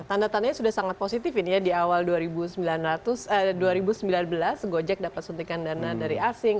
tanda tandanya sudah sangat positif ini ya di awal dua ribu sembilan belas gojek dapat suntikan dana dari asing